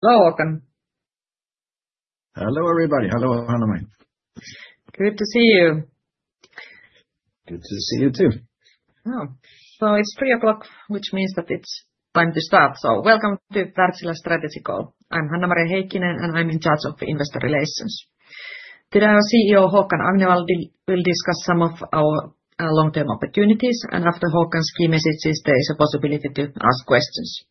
Hello, Håkan. Hello, everybody. Hello, Hanna-Mari. Good to see you. Good to see you, too. It is three o'clock, which means that it is time to start. Welcome to Wärtsilä Strategy Call. I am Hanna-Maria Heikkinen, and I am in charge of investor relations. Today, our CEO, Håkan Agnevall, will discuss some of our long-term opportunities, and after Håkan's key messages, there is a possibility to ask questions.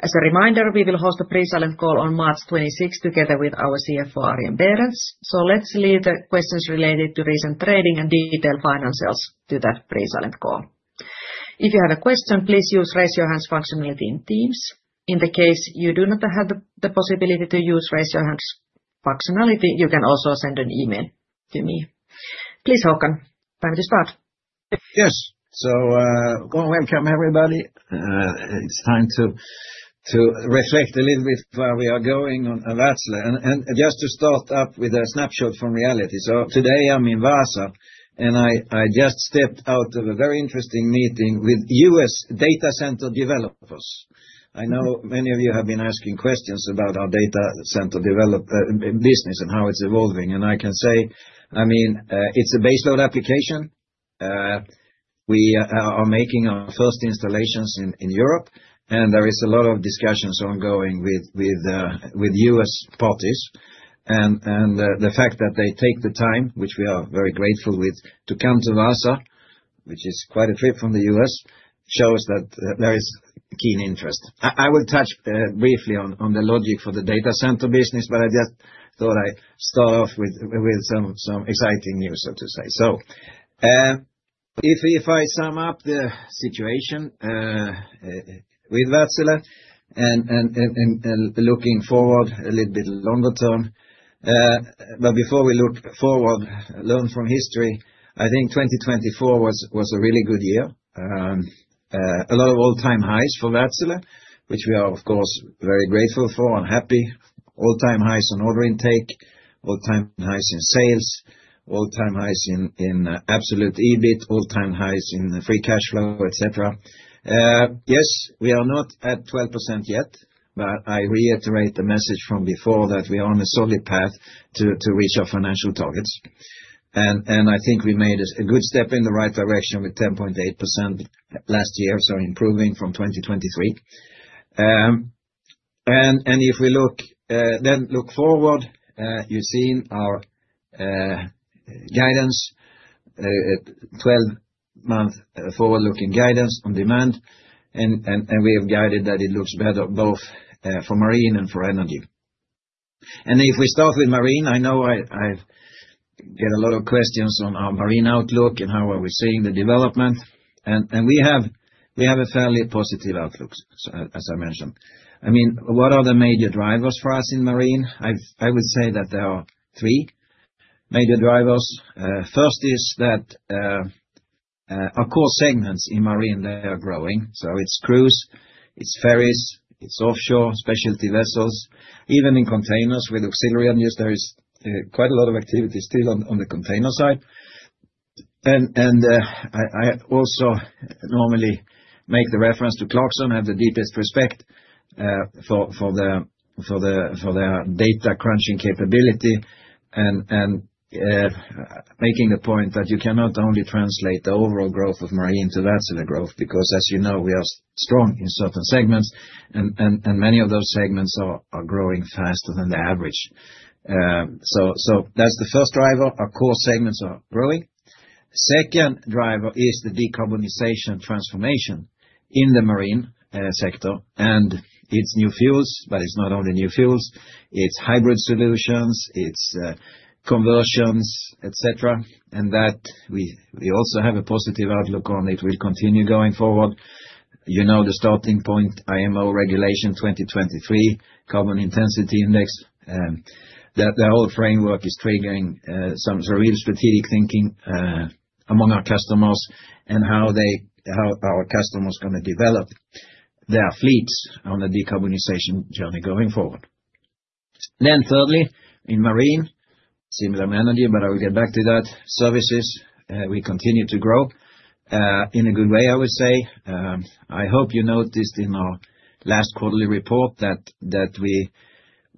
As a reminder, we will host a pre-silent call on March 26th together with our CFO, Arjen Berends. Let us leave the questions related to recent trading and detailed financials to that pre-silent call. If you have a question, please use the raise-your-hands functionality in Teams. In the case you do not have the possibility to use the raise-your-hands functionality, you can also send an email to me. Please, Håkan, time to start. Yes. Welcome, everybody. It's time to reflect a little bit on where we are going on Wärtsilä. Just to start up with a snapshot from reality. Today I'm in Vaasa, and I just stepped out of a very interesting meeting with U.S. data center developers. I know many of you have been asking questions about our data center business and how it's evolving. I can say, I mean, it's a baseload application. We are making our first installations in Europe, and there is a lot of discussions ongoing with U.S. parties. The fact that they take the time, which we are very grateful for, to come to Vaasa, which is quite a trip from the U.S., shows that there is keen interest. I will touch briefly on the logic for the data center business, but I just thought I'd start off with some exciting news, so to say. If I sum up the situation with Wärtsilä and looking forward a little bit longer term, before we look forward, learn from history, I think 2024 was a really good year. A lot of all-time highs for Wärtsilä, which we are, of course, very grateful for and happy. All-time highs on order intake, all-time highs in sales, all-time highs in absolute EBIT, all-time highs in free cash flow, etc. Yes, we are not at 12% yet, but I reiterate the message from before that we are on a solid path to reach our financial targets. I think we made a good step in the right direction with 10.8% last year, so improving from 2023. If we then look forward, you've seen our guidance, 12-month forward-looking guidance on demand, and we have guided that it looks better both for marine and for energy. If we start with marine, I know I get a lot of questions on our marine outlook and how are we seeing the development. We have a fairly positive outlook, as I mentioned. I mean, what are the major drivers for us in marine? I would say that there are three major drivers. First is that our core segments in marine, they are growing. So it's cruise, it's ferries, it's offshore specialty vessels. Even in containers with auxiliary engines, there is quite a lot of activity still on the container side. I also normally make the reference to Clarkson, have the deepest respect for their data crunching capability, and make the point that you cannot only translate the overall growth of marine to Wärtsilä growth, because as you know, we are strong in certain segments, and many of those segments are growing faster than the average. That is the first driver. Our core segments are growing. The second driver is the decarbonization transformation in the marine sector and its new fuels, but it is not only new fuels. It is hybrid solutions, it is conversions, etc. We also have a positive outlook on that. It will continue going forward. You know the starting point, IMO regulation 2023, carbon intensity index, that the whole framework is triggering some real strategic thinking among our customers and how our customers are going to develop their fleets on the decarbonization journey going forward. In marine, similar managing, but I will get back to that, services, we continue to grow in a good way, I would say. I hope you noticed in our last quarterly report that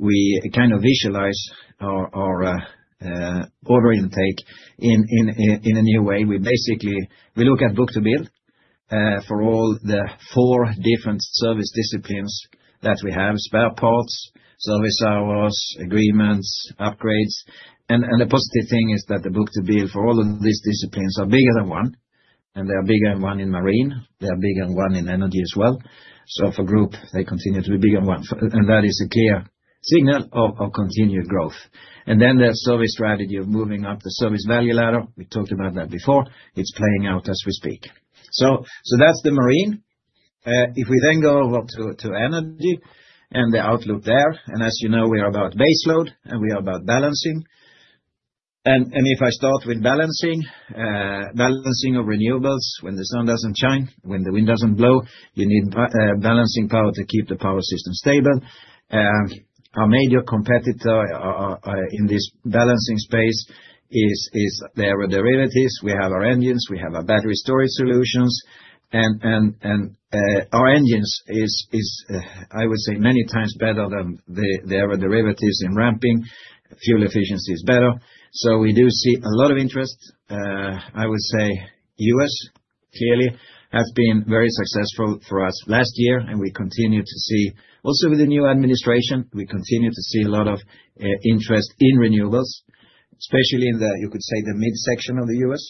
we kind of visualize our order intake in a new way. We basically look at book to build for all the four different service disciplines that we have: spare parts, service hours, agreements, upgrades. The positive thing is that the book to build for all of these disciplines are bigger than one, and they are bigger than one in marine. They are bigger than one in energy as well. For group, they continue to be bigger than one. That is a clear signal of continued growth. The service strategy of moving up the service value ladder, we talked about that before, it's playing out as we speak. That's the marine. If we then go over to energy and the outlook there, as you know, we are about baseload and we are about balancing. If I start with balancing, balancing of renewables when the sun doesn't shine, when the wind doesn't blow, you need balancing power to keep the power system stable. Our major competitor in this balancing space is their derivatives. We have our engines, we have our battery storage solutions, and our engines are, I would say, many times better than their derivatives in ramping. Fuel efficiency is better. We do see a lot of interest. I would say the US clearly has been very successful for us last year, and we continue to see, also with the new administration, we continue to see a lot of interest in renewables, especially in the, you could say, the mid-section of the U.S..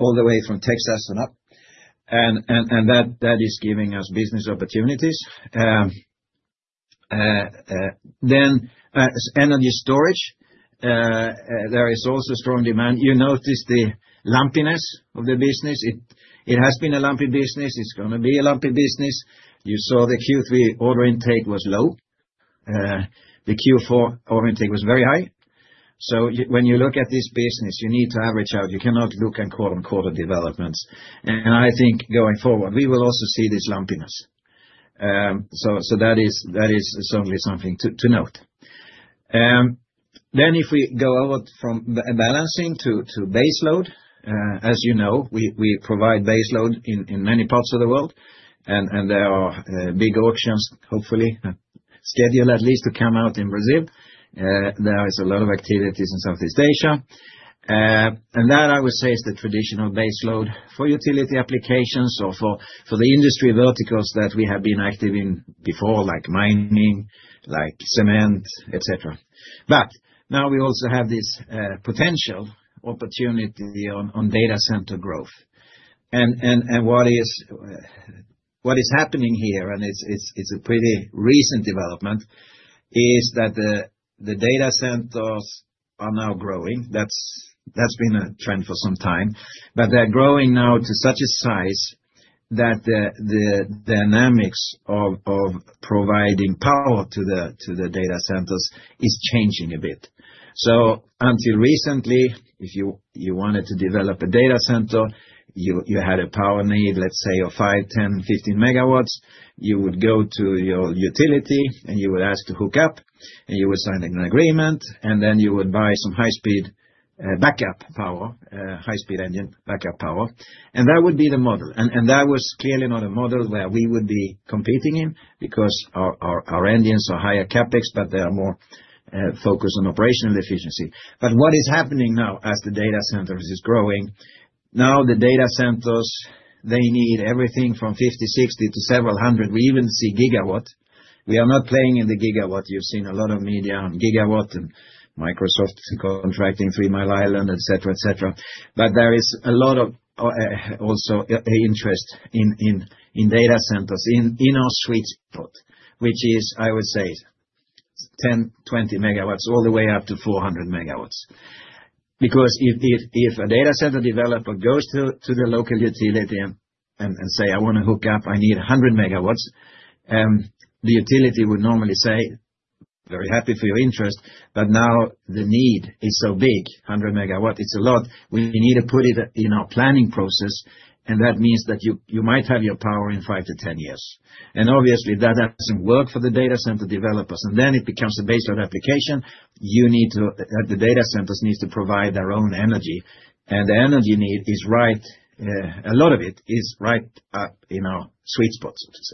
All the way from Texas and up. That is giving us business opportunities. Energy storage, there is also strong demand. You notice the lumpiness of the business. It has been a lumpy business. It's going to be a lumpy business. You saw the Q3 order intake was low. The Q4 order intake was very high. When you look at this business, you need to average out. You cannot look and quote unquote at developments. I think going forward, we will also see this lumpiness. That is certainly something to note. If we go over from balancing to baseload, as you know, we provide baseload in many parts of the world. There are big auctions, hopefully, scheduled at least to come out in Brazil. There is a lot of activities in Southeast Asia. That, I would say, is the traditional baseload for utility applications or for the industry verticals that we have been active in before, like mining, like cement, etc. Now we also have this potential opportunity on data center growth. What is happening here, and it's a pretty recent development, is that the data centers are now growing. That's been a trend for some time. They're growing now to such a size that the dynamics of providing power to the data centers is changing a bit. Until recently, if you wanted to develop a data center, you had a power need, let's say, of 5, 10, 15 megawatts, you would go to your utility and you would ask to hook up, and you would sign an agreement, and then you would buy some high-speed backup power, high-speed engine backup power. That would be the model. That was clearly not a model where we would be competing in because our engines are higher CapEx, but they are more focused on operational efficiency. What is happening now as the data centers is growing, now the data centers, they need everything from 50, 60 to several hundred. We even see gigawatt. We are not playing in the gigawatt. You have seen a lot of media on gigawatt and Microsoft contracting Three Mile Island, etc., etc. There is a lot of also interest in data centers in our sweet spot, which is, I would say, 10, 20 megawatts all the way up to 400 megawatts. Because if a data center developer goes to the local utility and says, "I want to hook up, I need 100 megawatts," the utility would normally say, "Very happy for your interest, but now the need is so big, 100 megawatts, it's a lot. We need to put it in our planning process," and that means that you might have your power in 5 to 10 years. Obviously, that doesn't work for the data center developers. It becomes a baseload application. The data centers need to provide their own energy. The energy need is right, a lot of it is right up in our sweet spot, so to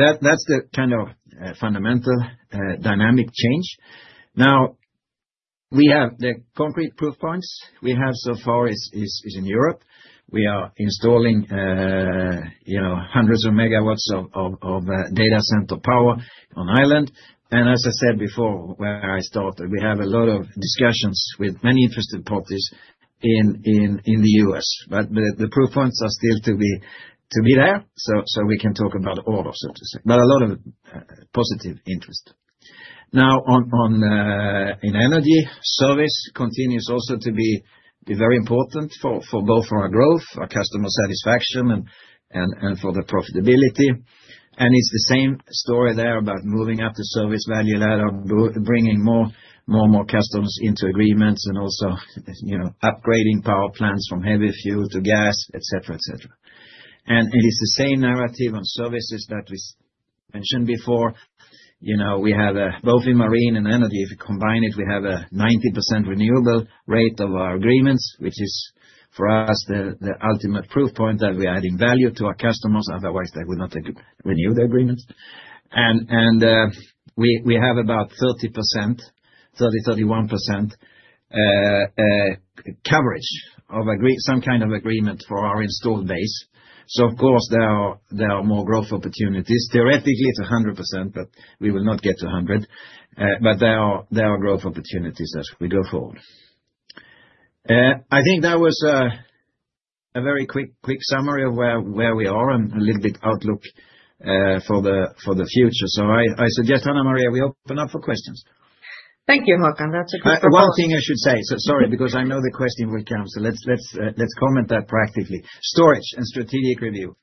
say. That's the kind of fundamental dynamic change. Now, we have the concrete proof points. What we have so far is in Europe. We are installing hundreds of megawatts of data center power on island. As I said before, where I started, we have a lot of discussions with many interested parties in the US. The proof points are still to be there, so we can talk about order, so to say. A lot of positive interest. In energy, service continues also to be very important for both our growth, our customer satisfaction, and for the profitability. It is the same story there about moving up the service value ladder, bringing more and more customers into agreements, and also upgrading power plants from heavy fuel to gas, etc., etc. It is the same narrative on services that we mentioned before. We have both in marine and energy, if you combine it, we have a 90% renewable rate of our agreements, which is for us the ultimate proof point that we are adding value to our customers. Otherwise, they would not renew the agreement. We have about 30%, 30-31% coverage of some kind of agreement for our installed base. Of course, there are more growth opportunities. Theoretically, it is 100%, but we will not get to 100. There are growth opportunities as we go forward. I think that was a very quick summary of where we are and a little bit outlook for the future. I suggest, Hanna-Maria, we open up for questions. Thank you, Håkan. That is a great question. One thing I should say, sorry, because I know the question will come, so let us comment that practically. Storage and strategic review.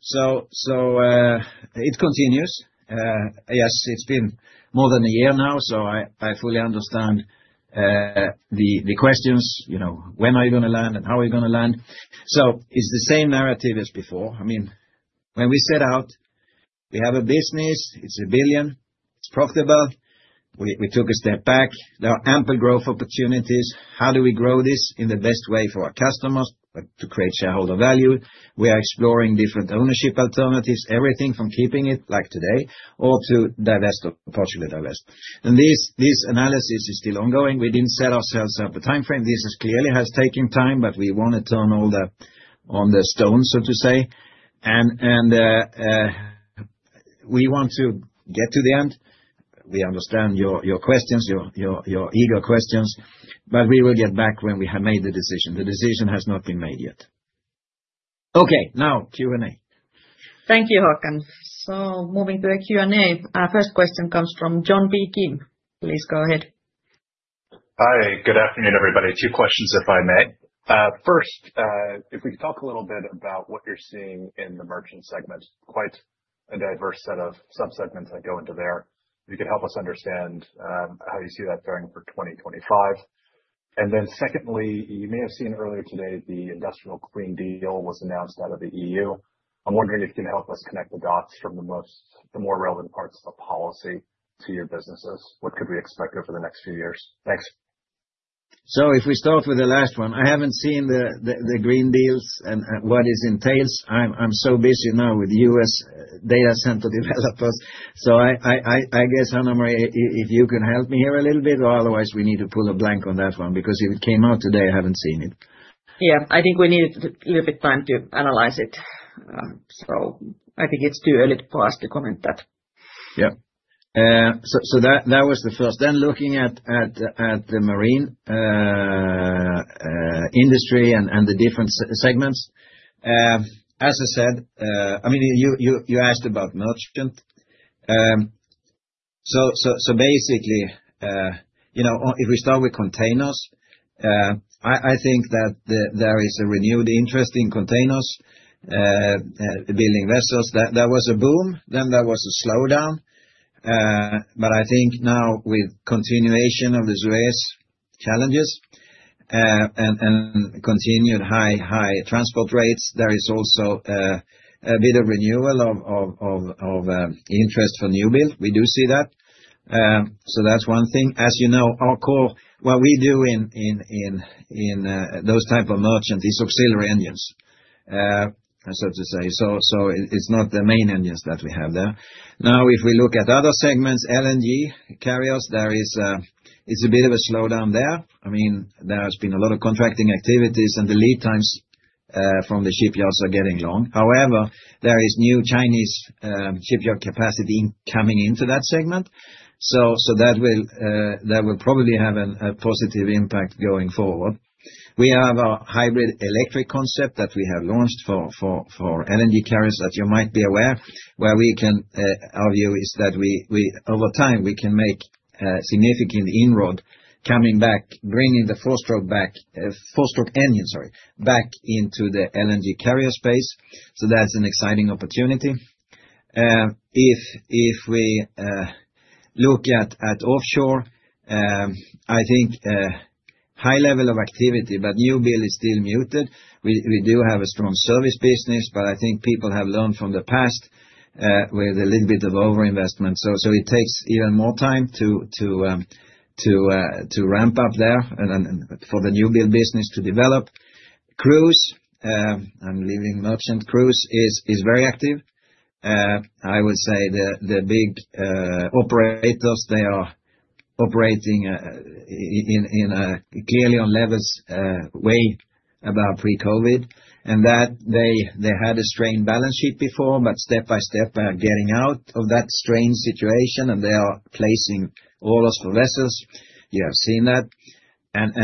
It continues. Yes, it has been more than a year now, so I fully understand the questions. When are you going to land and how are you going to land? It is the same narrative as before. I mean, when we set out, we have a business, it's a billion, it's profitable. We took a step back. There are ample growth opportunities. How do we grow this in the best way for our customers to create shareholder value? We are exploring different ownership alternatives, everything from keeping it like today or to divest or partially divest. This analysis is still ongoing. We didn't set ourselves up a timeframe. This clearly has taken time, but we want to turn all the stones, so to say. We want to get to the end. We understand your questions, your eager questions, but we will get back when we have made the decision. The decision has not been made yet. Okay. Now, Q&A. Thank you, Håkan. Moving to the Q&A, our first question comes from John B. Kim. Please go ahead. Hi. Good afternoon, everybody. Two questions, if I may. First, if we could talk a little bit about what you're seeing in the merchant segment, quite a diverse set of subsegments that go into there. If you could help us understand how you see that going for 2025. Secondly, you may have seen earlier today the Industrial Clean Deal was announced out of the EU. I'm wondering if you can help us connect the dots from the more relevant parts of the policy to your businesses. What could we expect over the next few years? Thanks. If we start with the last one, I haven't seen the Green Deals and what it entails. I'm so busy now with U.S. data center developers. I guess, Hanna-Maria, if you can help me here a little bit, or otherwise we need to pull a blank on that one because if it came out today, I haven't seen it. I think we need a little bit of time to analyze it. I think it's too early for us to comment that. That was the first. Looking at the marine industry and the different segments. As I said, I mean, you asked about merchant. Basically, if we start with containers, I think that there is a renewed interest in containers, building vessels. There was a boom, then there was a slowdown. I think now with continuation of the U.S. challenges and continued high transport rates, there is also a bit of renewal of interest for new build. We do see that. That's one thing. As you know, our core, what we do in those types of merchant is auxiliary engines, so to say. It is not the main engines that we have there. Now, if we look at other segments, LNG carriers, there is a bit of a slowdown there. I mean, there has been a lot of contracting activities, and the lead times from the shipyards are getting long. However, there is new Chinese shipyard capacity coming into that segment. That will probably have a positive impact going forward. We have a hybrid electric concept that we have launched for LNG carriers that you might be aware, where we can, our view is that over time, we can make significant inroad coming back, bringing the four-stroke engine, sorry, back into the LNG carrier space. That is an exciting opportunity. If we look at offshore, I think high level of activity, but new build is still muted. We do have a strong service business, but I think people have learned from the past with a little bit of overinvestment. It takes even more time to ramp up there for the new build business to develop. Cruise, I'm leaving merchant cruise, is very active. I would say the big operators, they are operating clearly on levels way above pre-COVID. They had a strained balance sheet before, but step by step, they are getting out of that strained situation, and they are placing orders for vessels. You have seen that.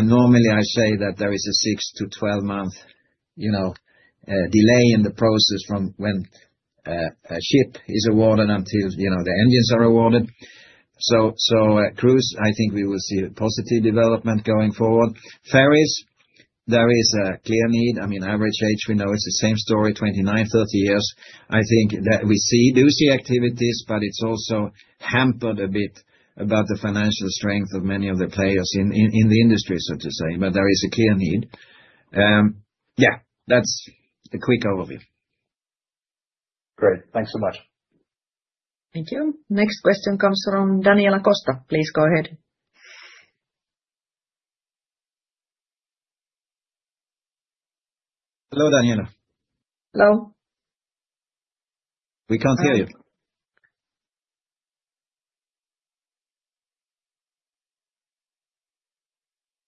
Normally, I say that there is a 6-12 month delay in the process from when a ship is awarded until the engines are awarded. Cruise, I think we will see a positive development going forward. Ferries, there is a clear need. I mean, average age, we know it's the same story, 29, 30 years. I think that we do see activities, but it's also hampered a bit by the financial strength of many of the players in the industry, so to say. But there is a clear need. Yeah, that's a quick overview. Great. Thanks so much. Thank you. Next question comes from Daniela Costa. Please go ahead. Hello, Daniela. Hello. We can't hear you.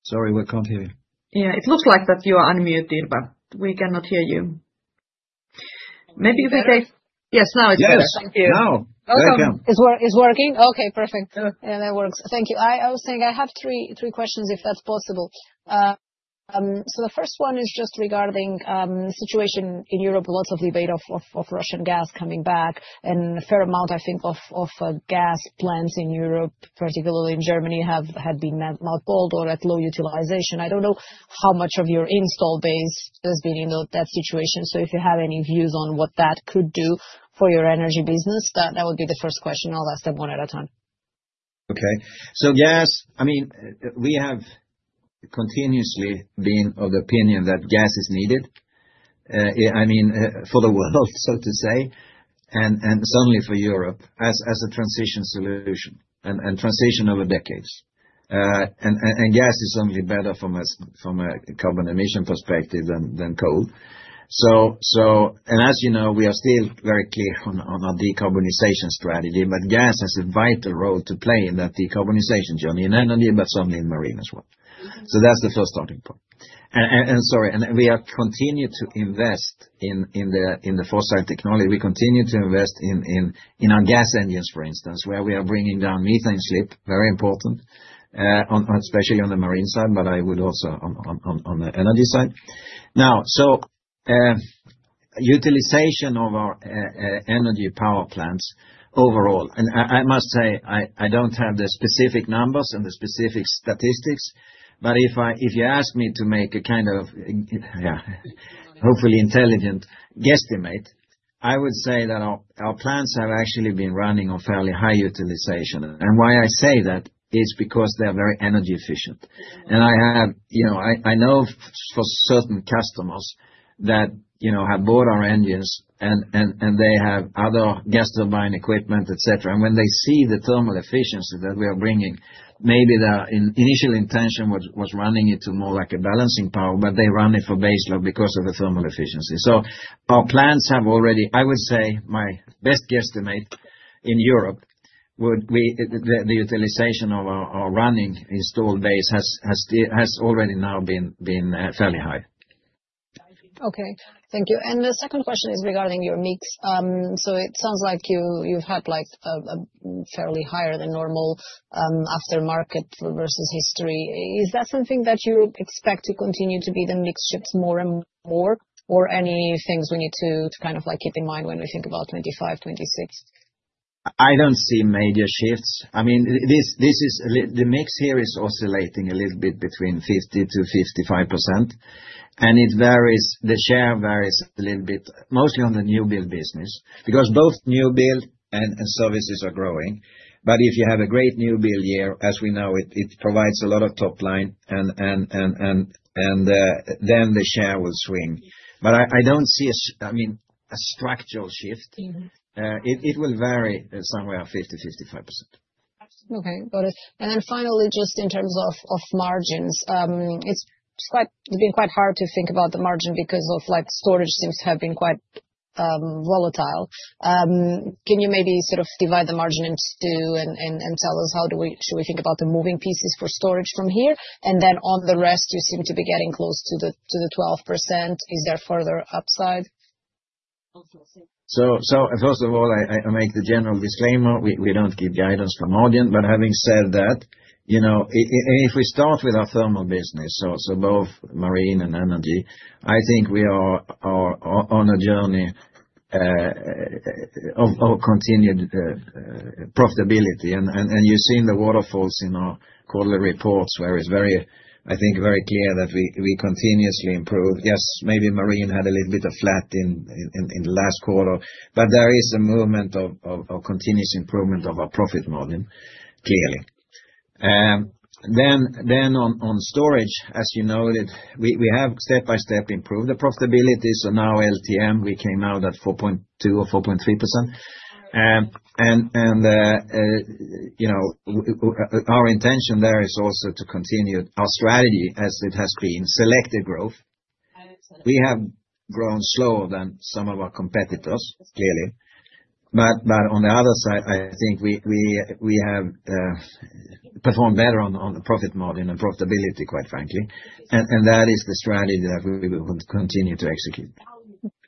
Sorry, we can't hear you. Yeah, it looks like you are unmuted, but we cannot hear you. Maybe if we take—yes, now it's good. Thank you. Now it's working. Okay, perfect. Yeah, that works. Thank you. I was saying I have three questions, if that's possible. The first one is just regarding the situation in Europe. Lots of debate of Russian gas coming back, and a fair amount, I think, of gas plants in Europe, particularly in Germany, have been mothballed or at low utilization. I don't know how much of your install base has been in that situation. If you have any views on what that could do for your energy business, that would be the first question. I'll ask them one at a time. Okay. Gas, I mean, we have continuously been of the opinion that gas is needed, I mean, for the world, so to say, and certainly for Europe as a transition solution and transition over decades. Gas is certainly better from a carbon emission perspective than coal. As you know, we are still very clear on our decarbonization strategy, but gas has a vital role to play in that decarbonization, Johnny, not only, but certainly in marine as well. That is the first starting point. Sorry, we continue to invest in the fossil technology. We continue to invest in our gas engines, for instance, where we are bringing down methane slip, very important, especially on the marine side, but I would also on the energy side. Now, utilization of our energy power plants overall, and I must say, I do not have the specific numbers and the specific statistics, but if you ask me to make a kind of, yeah, hopefully intelligent guesstimate, I would say that our plants have actually been running on fairly high utilization. Why I say that is because they are very energy efficient. I know for certain customers that have bought our engines, and they have other gas turbine equipment, etc. When they see the thermal efficiency that we are bringing, maybe their initial intention was running it to more like a balancing power, but they run it for baseload because of the thermal efficiency. Our plants have already, I would say, my best guesstimate in Europe, the utilization of our running installed base has already now been fairly high. Okay. Thank you. The second question is regarding your mix. It sounds like you've had a fairly higher than normal aftermarket versus history. Is that something that you expect to continue to be the mix shifts more and more, or any things we need to kind of keep in mind when we think about 2025, 2026? I do not see major shifts. I mean, the mix here is oscillating a little bit between 50-55%. The share varies a little bit, mostly on the new build business, because both new build and services are growing. If you have a great new build year, as we know, it provides a lot of top line, and then the share will swing. I do not see, I mean, a structural shift. It will vary somewhere around 50-55%. Okay. Got it. Finally, just in terms of margins, it has been quite hard to think about the margin because storage seems to have been quite volatile. Can you maybe sort of divide the margin in two and tell us how should we think about the moving pieces for storage from here? On the rest, you seem to be getting close to the 12%. Is there further upside? First of all, I make the general disclaimer. We do not give guidance from audience. Having said that, if we start with our thermal business, both marine and energy, I think we are on a journey of continued profitability. You have seen the waterfalls in our quarterly reports where it is, I think, very clear that we continuously improve. Yes, maybe marine had a little bit of flat in the last quarter, but there is a movement of continuous improvement of our profit margin, clearly. On storage, as you noted, we have step by step improved the profitability. Now LTM, we came out at 4.2% or 4.3%. Our intention there is also to continue our strategy as it has been selective growth. We have grown slower than some of our competitors, clearly. On the other side, I think we have performed better on the profit margin and profitability, quite frankly. That is the strategy that we will continue to execute.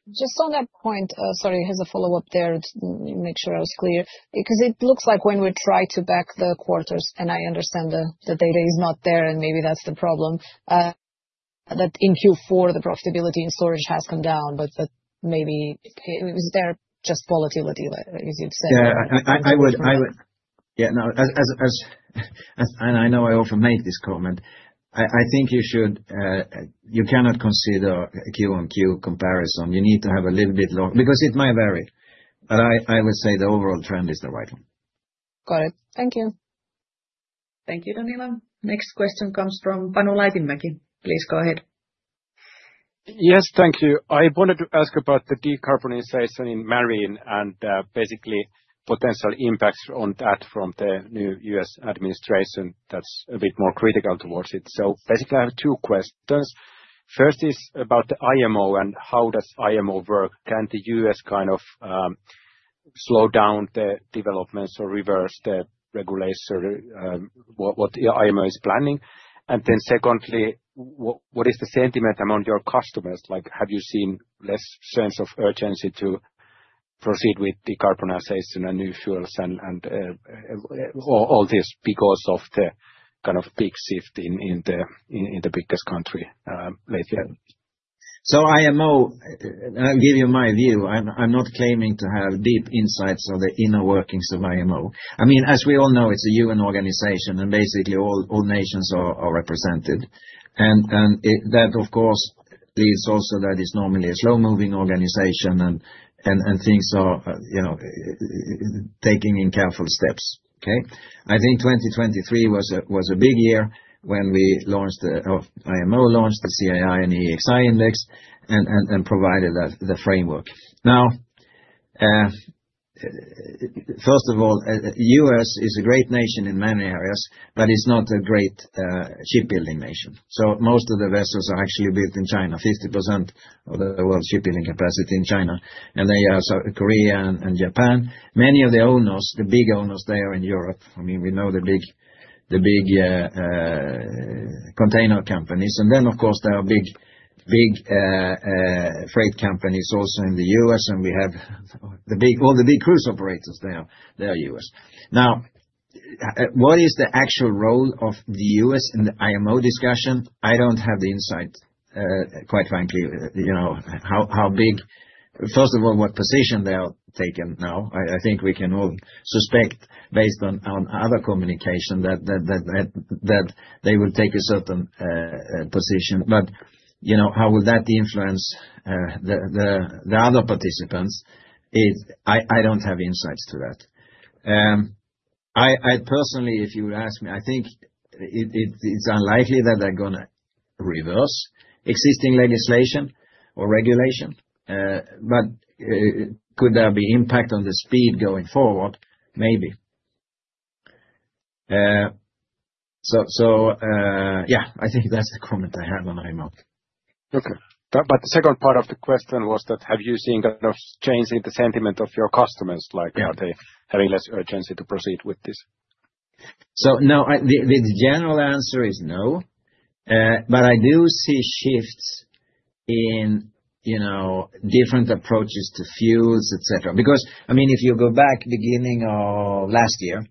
Just on that point, sorry, has a follow-up there to make sure I was clear? Because it looks like when we try to back the quarters, and I understand the data is not there, and maybe that's the problem, that in Q4, the profitability in storage has come down, but maybe is there just volatility, as you've said? Yeah. I know I often make this comment. I think you cannot consider a Q on Q comparison. You need to have a little bit longer because it might vary. I would say the overall trend is the right one. Got it. Thank you. Thank you, Daniela. Next question comes from Panu Laitinmäki. Please go ahead. Yes, thank you. I wanted to ask about the decarbonization in marine and basically potential impacts on that from the new US administration that's a bit more critical towards it. I have two questions. First is about the IMO and how does IMO work? Can the US kind of slow down the developments or reverse the regulation what IMO is planning? Secondly, what is the sentiment among your customers? Have you seen less sense of urgency to proceed with decarbonization and new fuels and all this because of the kind of big shift in the biggest country lately? IMO, I'll give you my view. I'm not claiming to have deep insights on the inner workings of IMO. I mean, as we all know, it's a UN organization, and basically all nations are represented. That, of course, leads also that it's normally a slow-moving organization and things are taking in careful steps. Okay? I think 2023 was a big year when the IMO launched the CII and EEXI index and provided the framework. Now, first of all, the U.S. is a great nation in many areas, but it's not a great shipbuilding nation. Most of the vessels are actually built in China, 50% of the world's shipbuilding capacity in China. You have Korea and Japan. Many of the owners, the big owners there in Europe, I mean, we know the big container companies. There are big freight companies also in the U.S., and we have all the big cruise operators there. They're U.S. Now, what is the actual role of the U.S. in the IMO discussion? I don't have the insight, quite frankly, how big, first of all, what position they are taking now. I think we can all suspect based on other communication that they will take a certain position. How will that influence the other participants? I don't have insights to that. Personally, if you would ask me, I think it's unlikely that they're going to reverse existing legislation or regulation. Could there be impact on the speed going forward? Maybe. Yeah, I think that's the comment I have on IMO. Okay. The second part of the question was that have you seen kind of change in the sentiment of your customers? Are they having less urgency to proceed with this? No, the general answer is no. I do see shifts in different approaches to fuels, etc. Because, I mean, if you go back beginning of last year,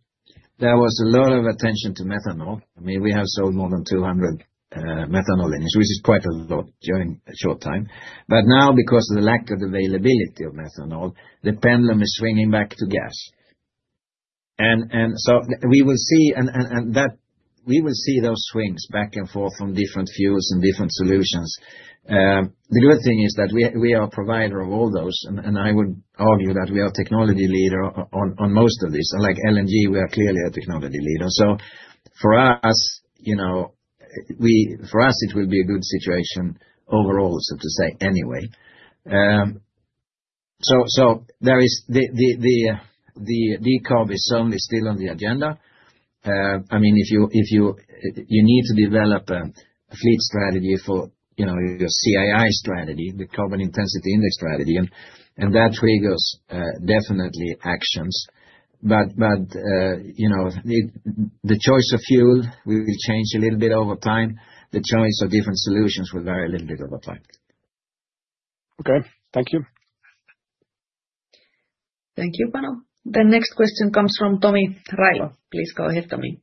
there was a lot of attention to methanol. I mean, we have sold more than 200 methanol lines, which is quite a lot during a short time. Now, because of the lack of availability of methanol, the pendulum is swinging back to gas. We will see, and we will see those swings back and forth from different fuels and different solutions. The good thing is that we are a provider of all those, and I would argue that we are a technology leader on most of these. Like LNG, we are clearly a technology leader. For us, it will be a good situation overall, so to say, anyway. The decom is certainly still on the agenda. I mean, you need to develop a fleet strategy for your CII strategy, the carbon intensity index strategy, and that triggers definitely actions. The choice of fuel will change a little bit over time. The choice of different solutions will vary a little bit over time. Okay. Thank you. Thank you, Panu. The next question comes from Timo heinonen. Please go ahead, Timo.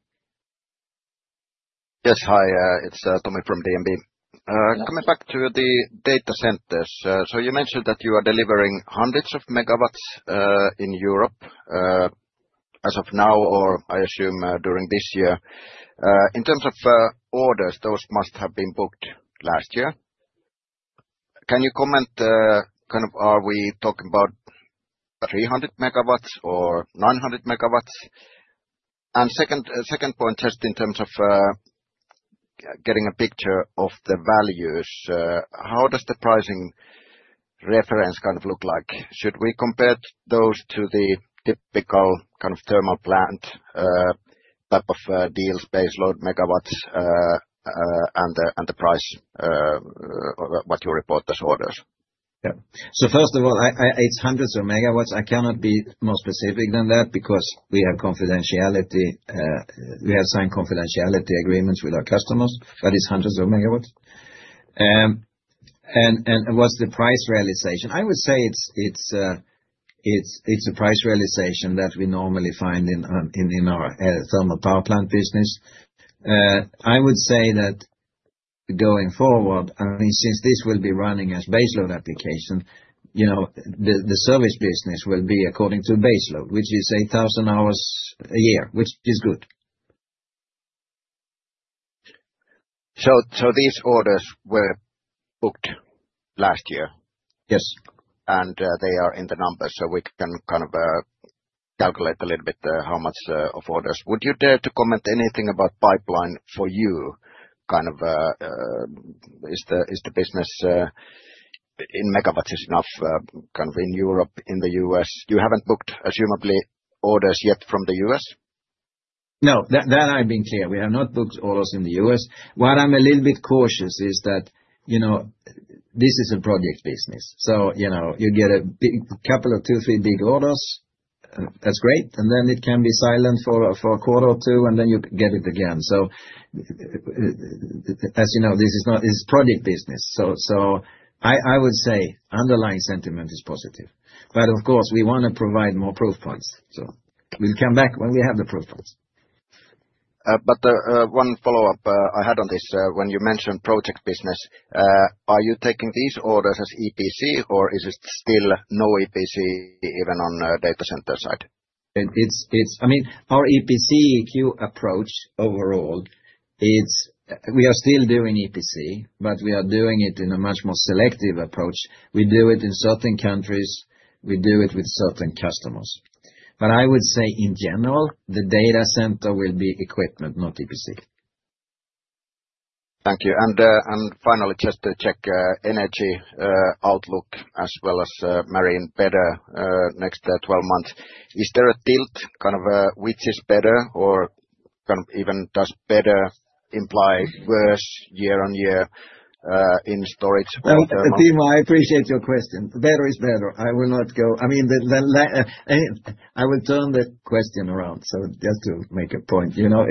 Yes, hi. It's Timo from DNB. Coming back to the data centers. You mentioned that you are delivering hundreds of megawatts in Europe as of now, or I assume during this year. In terms of orders, those must have been booked last year. Can you comment, kind of are we talking about 300 megawatts or 900 megawatts? Second point, just in terms of getting a picture of the values, how does the pricing reference kind of look like? Should we compare those to the typical kind of thermal plant type of deals, baseload megawatts, and the price of what you report as orders? Yeah. First of all, it's hundreds of megawatts. I cannot be more specific than that because we have confidentiality. We have signed confidentiality agreements with our customers, but it's hundreds of megawatts. What's the price realization? I would say it's a price realization that we normally find in our thermal power plant business. I would say that going forward, I mean, since this will be running as baseload application, the service business will be according to baseload, which is 8,000 hours a year, which is good. These orders were booked last year? Yes. They are in the numbers, so we can kind of calculate a little bit how much of orders. Would you dare to comment anything about pipeline for you? Kind of is the business in megawatts enough kind of in Europe, in the US? You haven't booked, assumably, orders yet from the US? No, that I've been clear. We have not booked orders in the US. What I'm a little bit cautious is that this is a project business. You get a couple of two, three big orders. That's great. It can be silent for a quarter or two, and you get it again. As you know, this is project business. I would say underlying sentiment is positive. Of course, we want to provide more proof points. We'll come back when we have the proof points. One follow-up I had on this. When you mentioned project business, are you taking these orders as EPC, or is it still no EPC even on data center side? I mean, our EPC EQ approach overall, we are still doing EPC, but we are doing it in a much more selective approach. We do it in certain countries. We do it with certain customers. I would say in general, the data center will be equipment, not EPC. Thank you. Finally, just to check energy outlook as well as marine better next 12 months. Is there a tilt kind of which is better or kind of even does better imply worse year on year in storage? Timo, I appreciate your question. Better is better. I will not go. I mean, I will turn the question around, just to make a point. Timo,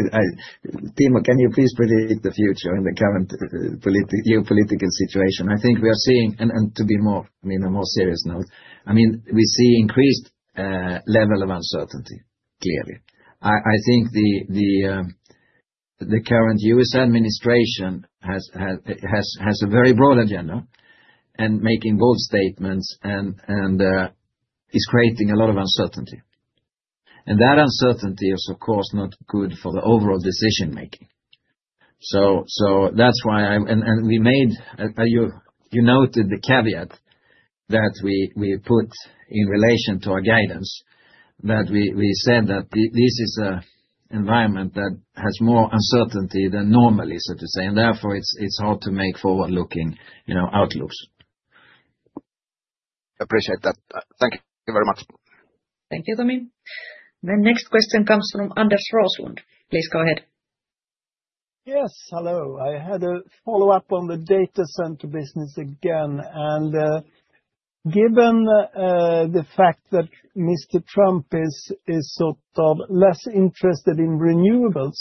can you please predict the future in the current geopolitical situation? I think we are seeing, and to be more, I mean, a more serious note. I mean, we see increased level of uncertainty, clearly. I think the current US administration has a very broad agenda and making bold statements and is creating a lot of uncertainty. That uncertainty is, of course, not good for the overall decision-making. That is why I and you noted the caveat that we put in relation to our guidance that we said that this is an environment that has more uncertainty than normally, so to say. Therefore, it is hard to make forward-looking outlooks. Appreciate that. Thank you very much. Thank you, Tommy. The next question comes from Anders Roslund. Please go ahead. Yes. Hello. I had a follow-up on the data center business again. Given the fact that Mr. Trump is sort of less interested in renewables,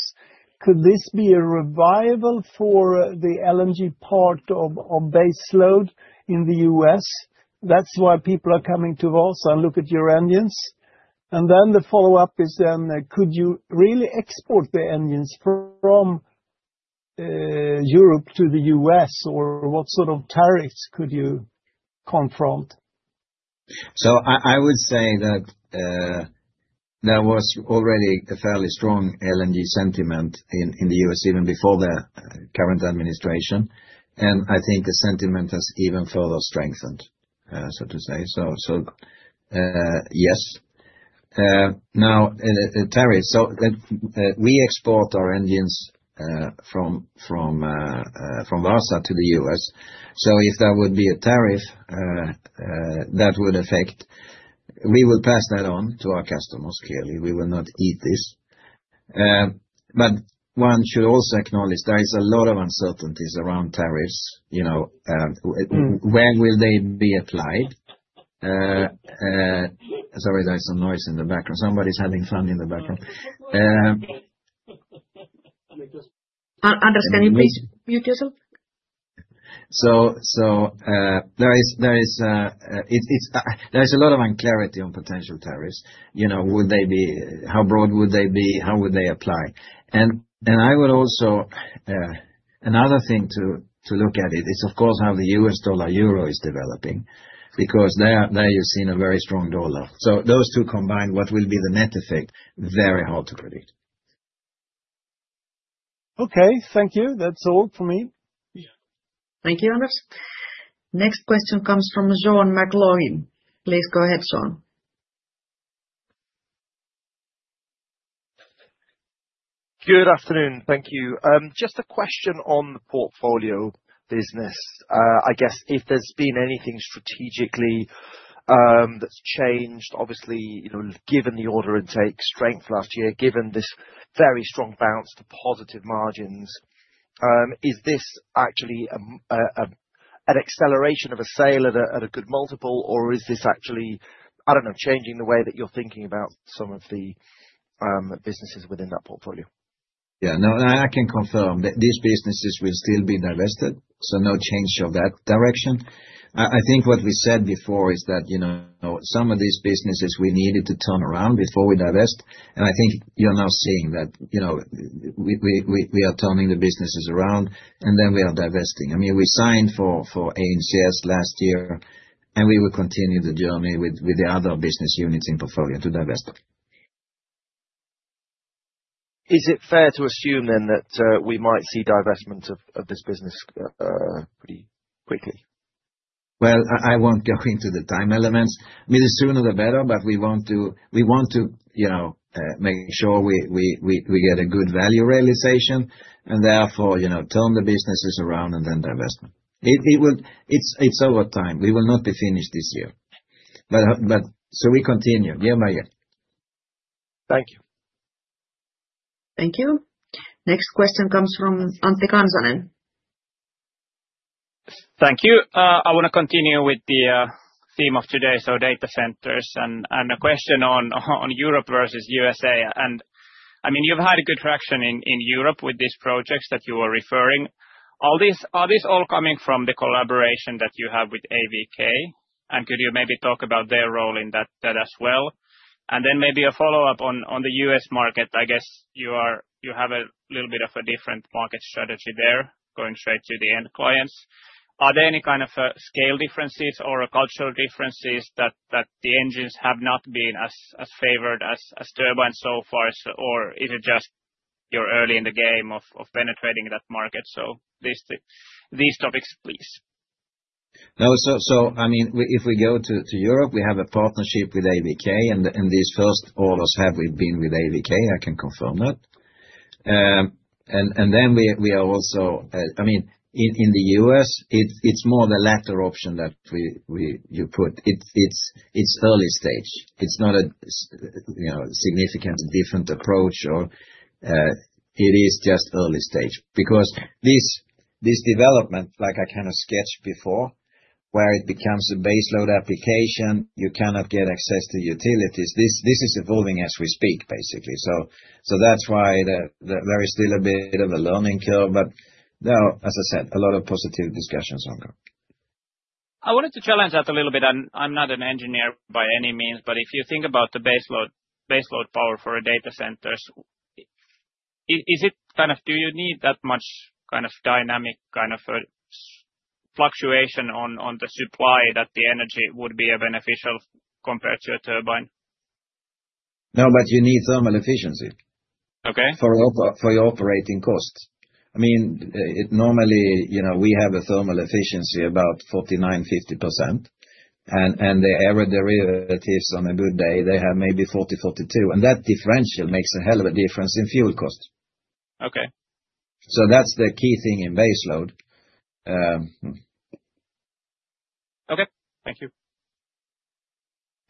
could this be a revival for the LNG part of baseload in the US? That's why people are coming to Vaasa and look at your engines. The follow-up is, could you really export the engines from Europe to the U.S., or what sort of tariffs could you confront? I would say that there was already a fairly strong LNG sentiment in the U.S. even before the current administration. I think the sentiment has even further strengthened, so to say. Yes. Now, tariffs. We export our engines from Vaasa to the U.S. If there would be a tariff, that would affect, we will pass that on to our customers, clearly. We will not eat this. One should also acknowledge there is a lot of uncertainties around tariffs. When will they be applied? Sorry, there's some noise in the background. Somebody's having fun in the background. Anders, can you please mute yourself? There is a lot of unclarity on potential tariffs. Would they be, how broad would they be, how would they apply? Another thing to look at is, of course, how the US dollar-euro is developing because there you have seen a very strong dollar. Those two combined, what will be the net effect? Very hard to predict. Okay. Thank you. That's all for me. Thank you, Anders. Next question comes from Sean McLoughlin. Please go ahead, Sean. Good afternoon. Thank you. Just a question on the portfolio business. I guess if there's been anything strategically that's changed, obviously, given the order intake strength last year, given this very strong bounce to positive margins, is this actually an acceleration of a sale at a good multiple, or is this actually, I don't know, changing the way that you're thinking about some of the businesses within that portfolio? Yeah. No, I can confirm that these businesses will still be divested. No change of that direction. I think what we said before is that some of these businesses we needed to turn around before we divest. I think you're now seeing that we are turning the businesses around, and then we are divesting. I mean, we signed for ANCS last year, and we will continue the journey with the other business units in portfolio to divest. Is it fair to assume then that we might see divestment of this business pretty quickly? I won't go into the time elements. I mean, the sooner the better, but we want to make sure we get a good value realization and therefore turn the businesses around and then divestment. It's over time. We will not be finished this year. We continue year by year. Thank you. Thank you. Next question comes from Antti Kansanen. Thank you. I want to continue with the theme of today, so data centers and a question on Europe versus U.S.A. I mean, you've had a good traction in Europe with these projects that you were referring. Are these all coming from the collaboration that you have with AVK? Could you maybe talk about their role in that as well? Maybe a follow-up on the US market. I guess you have a little bit of a different market strategy there going straight to the end clients. Are there any kind of scale differences or cultural differences that the engines have not been as favored as turbines so far? Or is it just you're early in the game of penetrating that market? These topics, please. No, I mean, if we go to Europe, we have a partnership with AVK, and these first orders have been with AVK. I can confirm that. I mean, in the U.S., it's more the latter option that you put. It's early stage. It's not a significant different approach, or it is just early stage. This development, like I kind of sketched before, where it becomes a baseload application, you cannot get access to utilities. This is evolving as we speak, basically. That's why there is still a bit of a learning curve. No, as I said, a lot of positive discussions ongoing. I wanted to challenge that a little bit. I'm not an engineer by any means, but if you think about the baseload power for data centers, is it kind of do you need that much kind of dynamic kind of fluctuation on the supply that the energy would be beneficial compared to a turbine? No, but you need thermal efficiency for your operating costs. I mean, normally, we have a thermal efficiency about 49-50%. The average derivatives on a good day, they have maybe 40-42%. That differential makes a hell of a difference in fuel cost. That's the key thing in baseload. Okay. Thank you.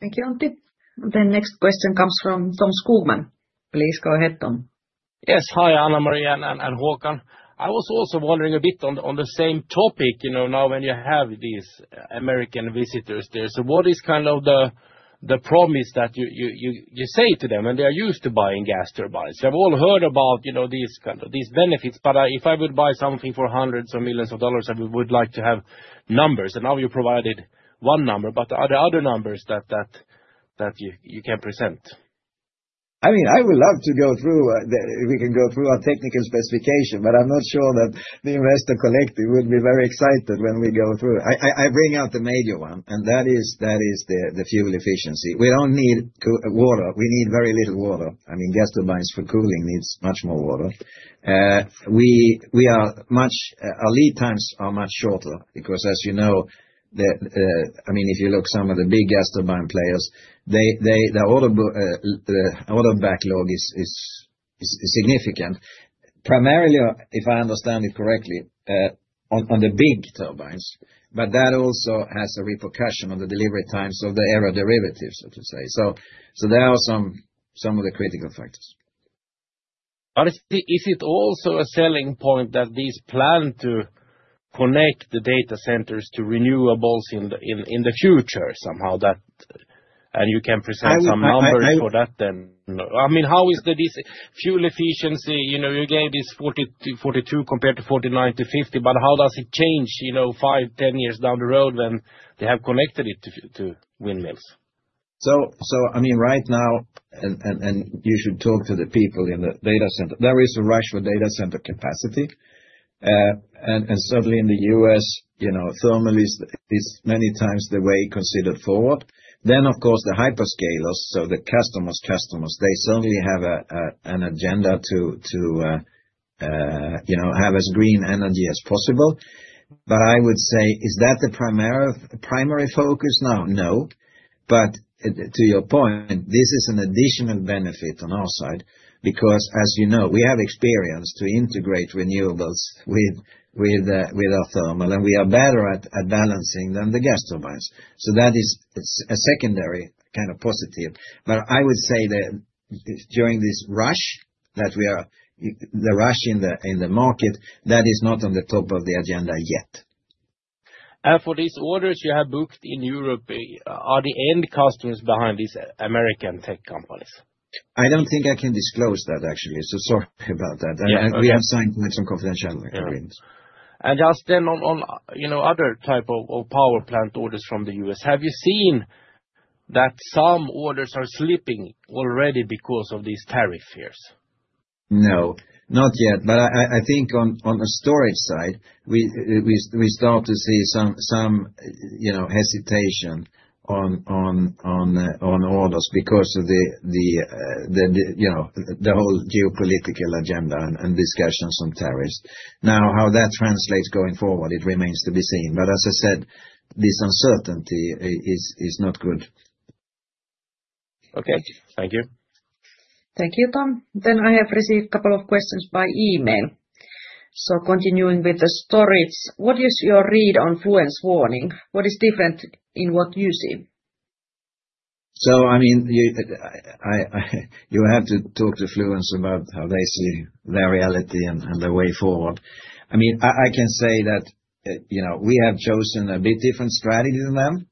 Thank you, Antti. The next question comes from Tom Skogman. Please go ahead, Tom. Yes. Hi, Hanna-Maria and Håkan. I was also wondering a bit on the same topic now when you have these American visitors there. What is kind of the promise that you say to them when they are used to buying gas turbines? They've all heard about these benefits, but if I would buy something for hundreds of millions of dollars, I would like to have numbers. Now you provided one number, but are there other numbers that you can present? I mean, I would love to go through if we can go through our technical specification, but I'm not sure that the investor collective would be very excited when we go through. I bring out the major one, and that is the fuel efficiency. We don't need water. We need very little water. I mean, gas turbines for cooling need much more water. Our lead times are much shorter because, as you know, I mean, if you look at some of the big gas turbine players, the order backlog is significant, primarily, if I understand it correctly, on the big turbines. That also has a repercussion on the delivery times of the aero derivatives, so to say. There are some of the critical factors. Is it also a selling point that these plan to connect the data centers to renewables in the future somehow, that, and you can present some numbers for that then? I mean, how is the fuel efficiency? You gave is 42% compared to 49%-50%, but how does it change 5, 10 years down the road when they have connected it to windmills? I mean, right now, and you should talk to the people in the data center, there is a rush for data center capacity. Certainly in the U.S., thermal is many times the way considered forward. Of course, the hyperscalers, so the customers, customers, they certainly have an agenda to have as green energy as possible. I would say, is that the primary focus now? No. To your point, this is an additional benefit on our side because, as you know, we have experience to integrate renewables with our thermal, and we are better at balancing than the gas turbines. That is a secondary kind of positive. I would say that during this rush, the rush in the market, that is not on the top of the agenda yet. For these orders you have booked in Europe, are the end customers behind these American tech companies? I do not think I can disclose that, actually. Sorry about that. We have signed some confidential agreements. Just on other types of power plant orders from the US, have you seen that some orders are slipping already because of these tariff fears? No, not yet. I think on the storage side, we start to see some hesitation on orders because of the whole geopolitical agenda and discussions on tariffs. How that translates going forward, it remains to be seen. As I said, this uncertainty is not good. Thank you. Thank you, Tom. I have received a couple of questions by email. Continuing with the storage, what is your read on Fluence Warning? What is different in what you see? I mean, you have to talk to Fluence about how they see their reality and the way forward. I mean, I can say that we have chosen a bit different strategy than them.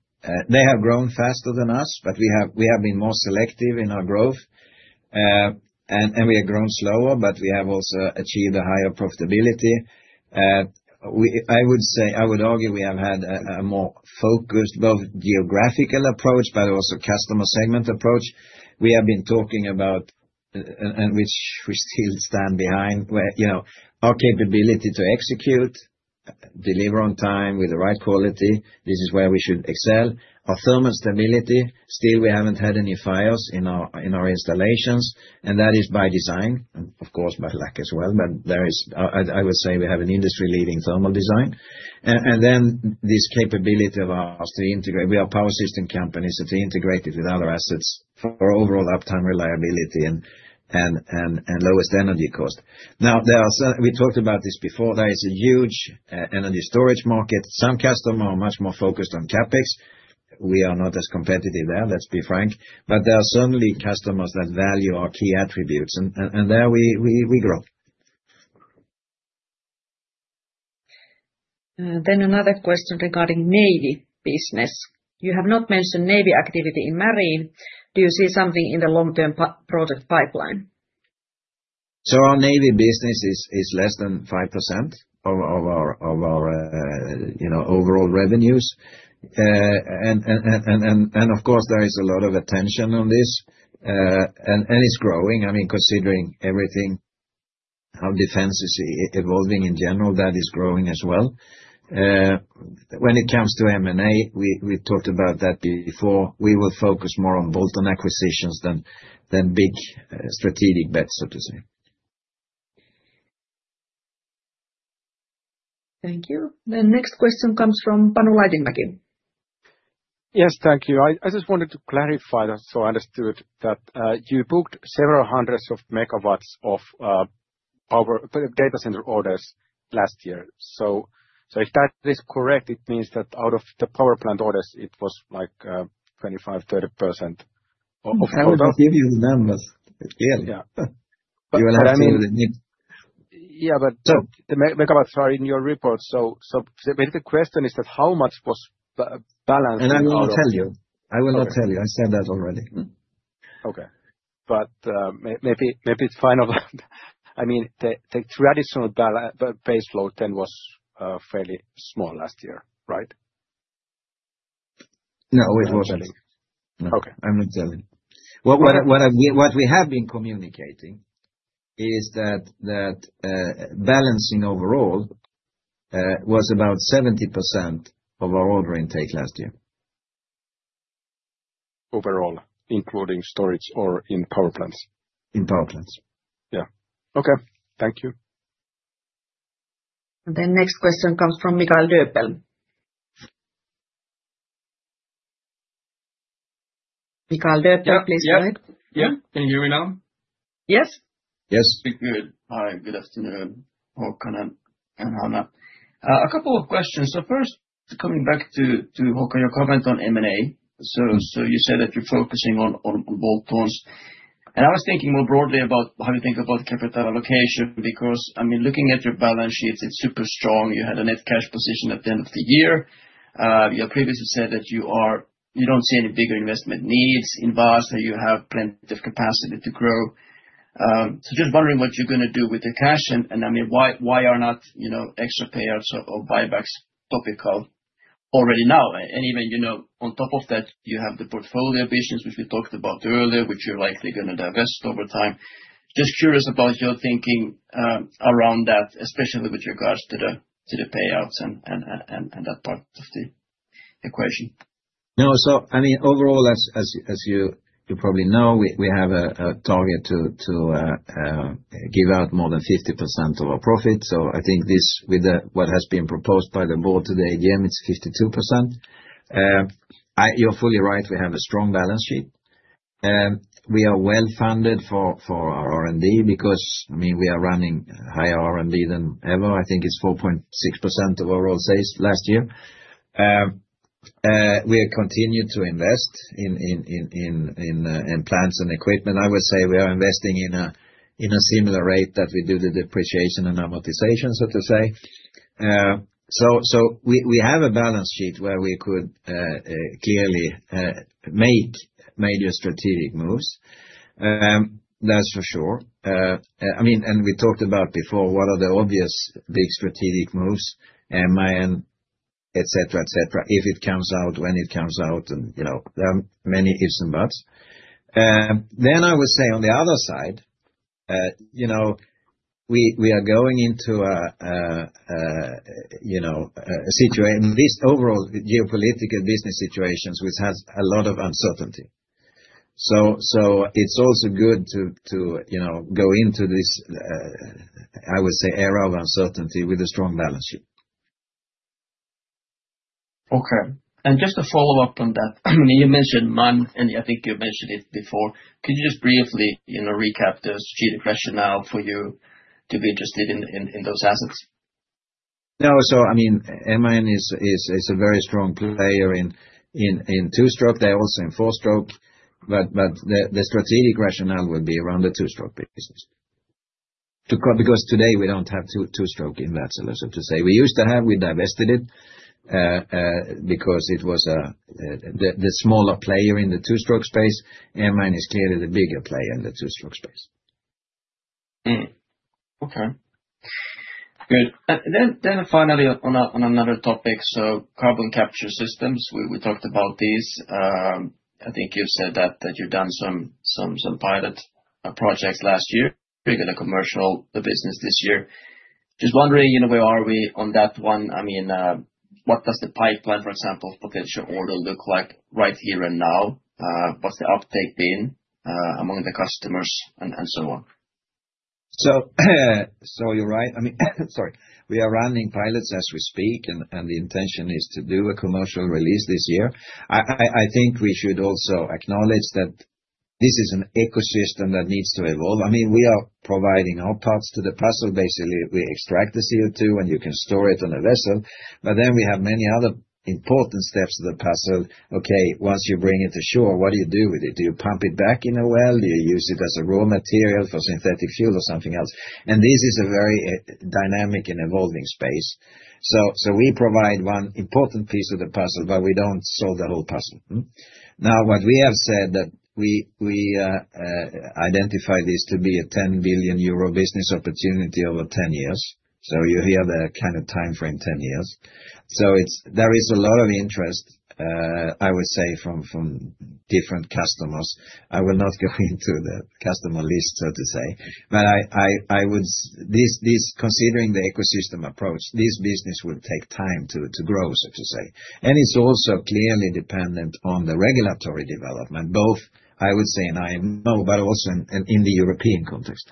They have grown faster than us, but we have been more selective in our growth. We have grown slower, but we have also achieved a higher profitability. I would argue we have had a more focused both geographical approach, but also customer segment approach. We have been talking about, and which we still stand behind, our capability to execute, deliver on time with the right quality. This is where we should excel. Our thermal stability, still we haven't had any fires in our installations. That is by design, of course, by luck as well. I would say we have an industry-leading thermal design. This capability of ours to integrate with our power system companies and to integrate it with other assets for overall uptime reliability and lowest energy cost. We talked about this before. There is a huge energy storage market. Some customers are much more focused on CapEx. We are not as competitive there, let's be frank. There are certainly customers that value our key attributes. There we grow. Another question regarding navy business. You have not mentioned navy activity in marine. Do you see something in the long-term project pipeline? Our navy business is less than 5% of our overall revenues. Of course, there is a lot of attention on this. It is growing. I mean, considering everything, how defense is evolving in general, that is growing as well. When it comes to M&A, we talked about that before. We will focus more on bolt-on acquisitions than big strategic bets, so to say. Thank you. The next question comes from Panu Laitinmäki. Yes, thank you. I just wanted to clarify that so I understood that you booked several hundreds of megawatts of data center orders last year. If that is correct, it means that out of the power plant orders, it was like 25-30% of the orders. I will not give you the numbers still. Yeah. I mean, yeah, but the megawatts are in your report. The question is that how much was balanced? I will not tell you. I will not tell you. I said that already. Okay. Maybe it is final. I mean, the traditional baseload then was fairly small last year, right? No, it was not. I am not telling. What we have been communicating is that balancing overall was about 70% of our order intake last year. Overall, including storage or in power plants? In power plants. Yeah. Okay. Thank you. The next question comes from Mikael Döppel. Mikael Döppel, please go ahead. Yeah. Can you hear me now? Yes. Yes. Good. Hi. Good afternoon, Håkan and Hanna. A couple of questions. First, coming back to Håkan, your comment on M&A. You said that you're focusing on bolt-ons. I was thinking more broadly about how you think about capital allocation because, I mean, looking at your balance sheets, it's super strong. You had a net cash position at the end of the year. You previously said that you don't see any bigger investment needs in Vaasa, that you have plenty of capacity to grow. Just wondering what you're going to do with the cash. I mean, why are not extra payouts or buybacks topical already now? Even on top of that, you have the portfolio visions, which we talked about earlier, which you're likely going to divest over time. Just curious about your thinking around that, especially with regards to the payouts and that part of the equation. No, I mean, overall, as you probably know, we have a target to give out more than 50% of our profit. I think this with what has been proposed by the board today, the aim is 52%. You're fully right. We have a strong balance sheet. We are well funded for our R&D because, I mean, we are running higher R&D than ever. I think it's 4.6% of our old sales last year. We continue to invest in plants and equipment. I would say we are investing in a similar rate that we do the depreciation and amortization, so to say. We have a balance sheet where we could clearly make major strategic moves. That's for sure. I mean, and we talked about before, what are the obvious big strategic moves, M&A, etc., etc., if it comes out, when it comes out, and there are many ifs and buts. I would say on the other side, we are going into a situation, this overall geopolitical business situation, which has a lot of uncertainty. It is also good to go into this, I would say, era of uncertainty with a strong balance sheet. Okay. Just to follow up on that, you mentioned M&A, and I think you mentioned it before. Could you just briefly recap the strategic rationale for you to be interested in those assets? No. I mean, M&A is a very strong player in two-stroke. They're also in four-stroke. The strategic rationale would be around the two-stroke business. Because today, we don't have two-stroke investors, so to say. We used to have; we divested it because it was the smaller player in the two-stroke space. M&A is clearly the bigger player in the two-stroke space. Okay. Good. Finally, on another topic, carbon capture systems. We talked about these. I think you've said that you've done some pilot projects last year. You're going to commercial the business this year. Just wondering, where are we on that one? What does the pipeline, for example, of potential order look like right here and now? What's the uptake been among the customers and so on? You're right. Sorry. We are running pilots as we speak, and the intention is to do a commercial release this year. I think we should also acknowledge that this is an ecosystem that needs to evolve. I mean, we are providing our parts to the puzzle. Basically, we extract the CO2, and you can store it on a vessel. We have many other important steps to the puzzle. Okay, once you bring it to shore, what do you do with it? Do you pump it back in a well? Do you use it as a raw material for synthetic fuel or something else? This is a very dynamic and evolving space. We provide one important piece of the puzzle, but we do not solve the whole puzzle. Now, what we have said is that we identify this to be a 10 billion euro business opportunity over 10 years. You hear the kind of timeframe, 10 years. There is a lot of interest, I would say, from different customers. I will not go into the customer list, so to say. Considering the ecosystem approach, this business will take time to grow, so to say. It is also clearly dependent on the regulatory development, both, I would say, and I know, but also in the European context.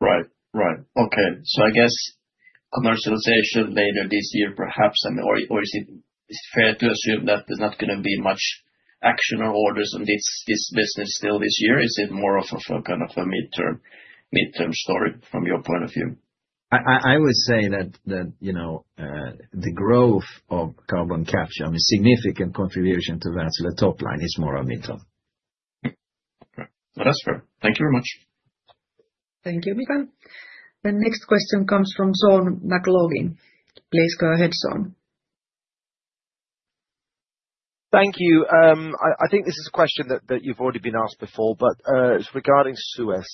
Right. Right. Okay. I guess commercialization later this year, perhaps, or is it fair to assume that there is not going to be much action or orders on this business still this year? Is it more of a kind of a midterm story from your point of view? I would say that the growth of carbon capture, I mean, significant contribution to that, so the top line is more a midterm. Okay. That is fair. Thank you very much. Thank you, Mikael. The next question comes from Sean McLoughlin. Please go ahead, Sean. Thank you. I think this is a question that you've already been asked before, but it's regarding Suez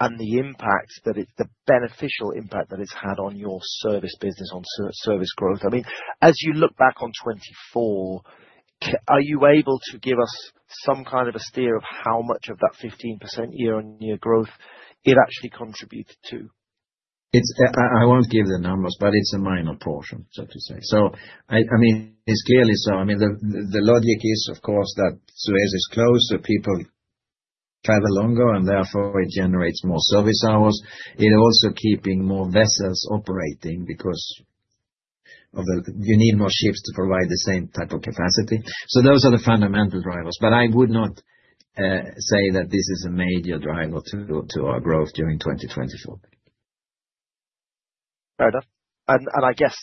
and the impact, the beneficial impact that it's had on your service business, on service growth. I mean, as you look back on 2024, are you able to give us some kind of a steer of how much of that 15% year-on-year growth it actually contributed to? I won't give the numbers, but it's a minor portion, so to say. I mean, it's clearly so. I mean, the logic is, of course, that Suez is closer, people travel longer, and therefore it generates more service hours. It's also keeping more vessels operating because you need more ships to provide the same type of capacity. Those are the fundamental drivers. I would not say that this is a major driver to our growth during 2024. Fair enough. I guess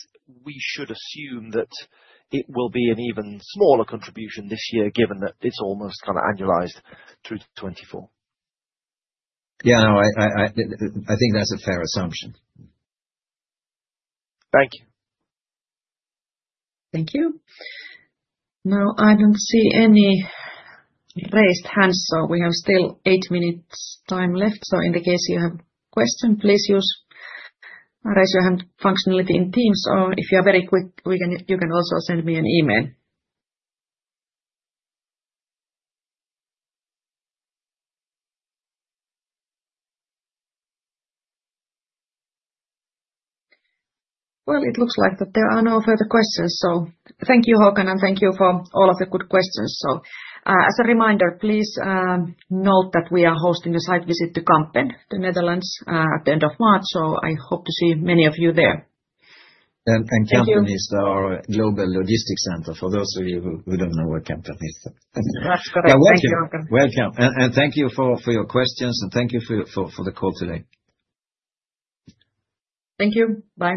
we should assume that it will be an even smaller contribution this year, given that it is almost kind of annualized through 2024. Yeah. No, I think that is a fair assumption. Thank you. Thank you. Now, I do not see any raised hands. We have still eight minutes' time left. In the case you have questions, please use the raise your hand functionality in Teams. If you are very quick, you can also send me an email. It looks like there are no further questions. Thank you, Håkan, and thank you for all of the good questions. As a reminder, please note that we are hosting a site visit to Kampen, the Netherlands, at the end of March. I hope to see many of you there. Thank you. Thank you. Kampen is our global logistics center. For those of you who do not know where Kampen is, thank you. That is correct. Thank you, Håkan. Welcome. Thank you for your questions, and thank you for the call today. Thank you. Bye.